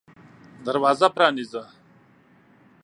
دروازه پرانیزه !